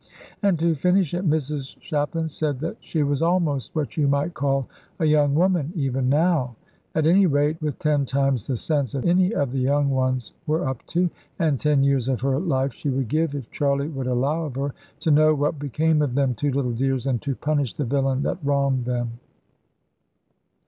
And to finish it, Mrs Shapland said that she was almost what you might call a young woman even now; at any rate with ten times the sense any of the young ones were up to. And ten years of her life she would give, if Charley would allow of her, to know what became of them two little dears, and to punish the villain that wronged them.